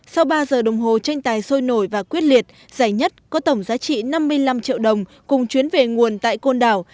sau ba giờ đồng hồ tranh tài sôi nổi và quyết liệt giải nhất có tổng giá trị năm mươi năm triệu đồng cùng chuyến về nguồn tại côn đảo